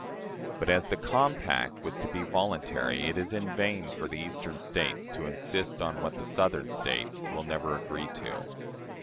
But, as the compact was to be voluntary, it is in vain for the Eastern States to insist on what the Southern States will never agree to."